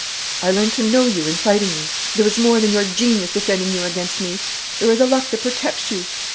I learnt to know you in fighting you. There was more than your genius defending you against me; there is a luck that protects you.